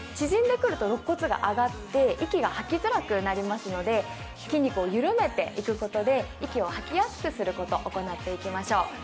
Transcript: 縮んでくるとろっ骨が上がって息が吐きづらくなりますので筋肉を緩めていくことで息を吐きやすくしていくこと行っていきましょう。